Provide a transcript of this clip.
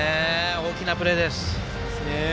大きなプレーです。